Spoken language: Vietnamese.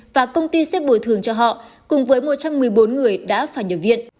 và công ty sẽ bồi thường cho họ cùng với một trăm một mươi bốn người đã phải nhập viện